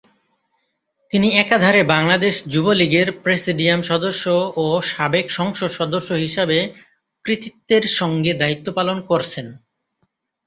তিনি একাধারে বাংলাদেশ যুবলীগের প্রেসিডিয়াম সদস্য ও সাবেক সংসদ সদস্য হিসাবে কৃতিত্বের সঙ্গে দায়িত্ব পালন করছেন।